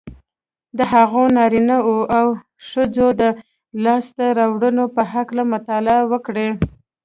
د هغو نارینهوو او ښځو د لاسته رواړنو په هکله مطالعه وکړئ